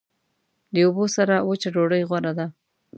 د اوبو سره وچه ډوډۍ غوره ده.